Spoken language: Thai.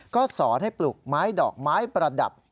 ก็สอนให้ปลูกไม้ดอกไม้ประดับ